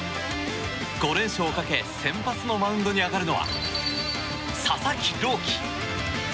５連勝をかけ先発のマウンドに上がるのは、佐々木朗希。